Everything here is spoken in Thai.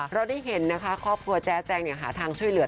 เราได้เห็นนะคะครอบครัวแจ๊แจงหาทางช่วยเหลือ